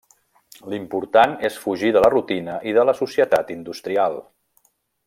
L'important és fugir de la rutina i de la societat industrial.